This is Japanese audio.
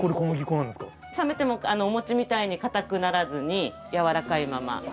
冷めてもお餅みたいに硬くならずに軟らかいまま。